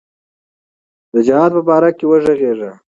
د جهاد په باره کې وږغیږو.